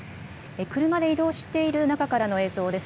車で移動している中からの映像で